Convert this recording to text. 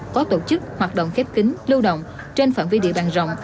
có tổ chức hoạt động khép kính lưu động trên phạm vi địa bàn rộng